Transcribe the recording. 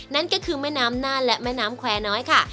นั่นก็คือแม่น้ำน่านและแม่น้ำแควร์น้อยค่ะ